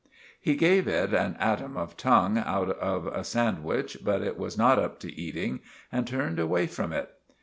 He gave it an atom of tongue out of a sandwich, but it was not up to eating, and turned away from it.